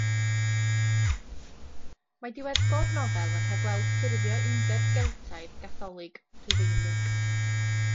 Mae diweddglo'r nofel yn rhagweld ffurfio undeb Geltaidd, Gatholig Rufeinig.